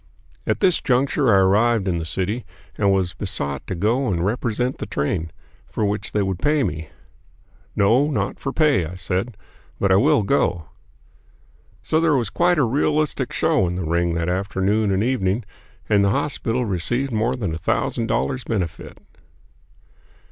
At this juncture I arrived in the city, and was besought to go and represent the train, for which they would pay me. "No, not for pay," I said, "but I will go." So there was quite a realistic show in the ring that afternoon and evening, and the hospital received more than a thousand dollars' benefit.